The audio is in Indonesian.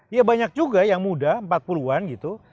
ya banyak juga yang muda empat puluh an gitu